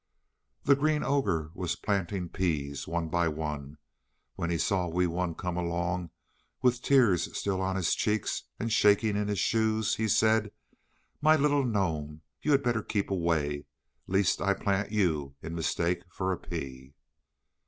The Green Ogre was planting peas, one by one. When he saw Wee Wun come along, with tears still on his cheeks and shaking in his shoes, he said: "My little gnome, you had better keep away, lest I plant you in mistake for a pea."